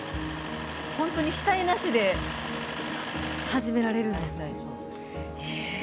ホントに下絵なしで始められるんですね。